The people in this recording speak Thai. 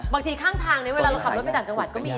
บางทีข้างทางนี้เวลาเราขับรถไปต่างจังหวัดก็มี